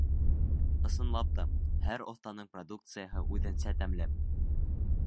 Ысынлап та, һәр оҫтаның продукцияһы үҙенсә тәмле.